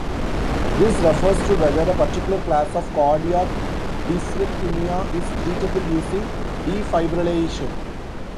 This refers to whether a particular class of cardiac dysrhythmia is treatable using defibrillation.